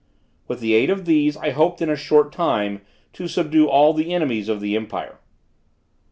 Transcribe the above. With the aid of these I hoped in a short time to subdue all the enemies of the empire.